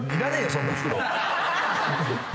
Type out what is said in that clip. そんな袋。